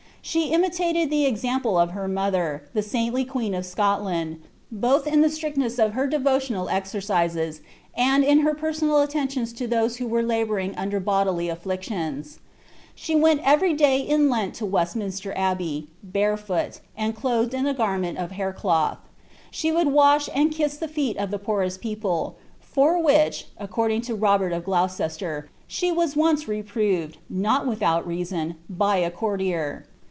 She imitated the example of her mother, the saintly queen of Scotland, both in the strictness of her devotional exercises, and in her personal attentions to those who were labouring under bodily afflic tions.' She went every day in Lent to Westminster Abbey, barefoot, and clothed in a garment of haircloth ; and she would wash and kiss the feet of the poorest people, for which, according to Robert of Glou cester, she was once reproved, not without reason, by a courtier.